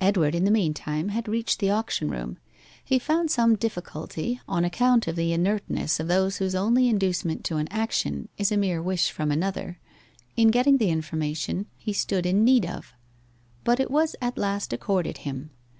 Edward in the meantime had reached the auction room. He found some difficulty, on account of the inertness of those whose only inducement to an action is a mere wish from another, in getting the information he stood in need of, but it was at last accorded him.